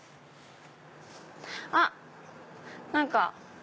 あっ何か。